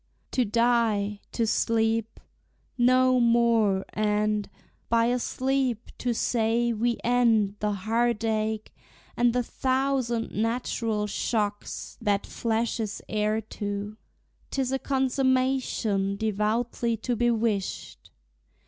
To die, to sleep; No more; and, by a sleep, to say we end The heart ache, and the thousand natural shocks That flesh is heir to, 't is a consummation Devoutly to be wished.